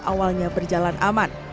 awalnya berjalan aman